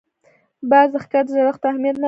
باز د ښکار زړښت ته اهمیت نه ورکوي